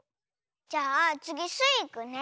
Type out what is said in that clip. じゃあつぎスイいくね。